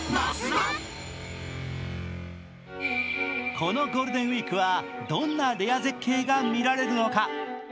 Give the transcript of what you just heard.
このゴールデンウイークはどんなレア絶景が見られるのか。